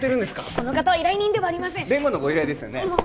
この方は依頼人ではありません弁護のご依頼ですよね？